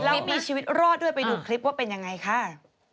แล้วมีชีวิตรอดด้วยไปดูคลิปว่าเป็นยังไงค่ะ